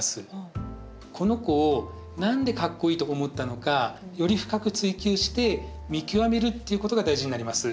この子を何でかっこいいと思ったのかより深く追求して見極めるっていうことが大事になります。